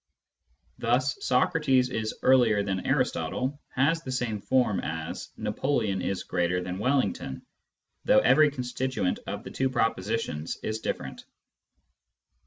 Thus " Socrates is earlier than Aristotle " has the same form as " Napoleon is greater than Wellington," though every con stituent of the two propositions is different.